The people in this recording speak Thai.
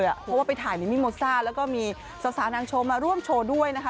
เพราะว่าไปถ่ายมิมมี่โมซ่าแล้วก็มีสาวนางโชว์มาร่วมโชว์ด้วยนะคะ